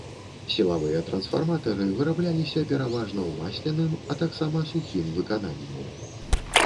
Сілавыя трансфарматары вырабляліся пераважна ў масленым, а таксама сухім выкананні.